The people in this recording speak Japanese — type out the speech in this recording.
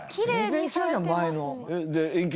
全然違うじゃん前の。